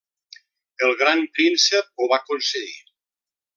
El gran príncep ho va concedir.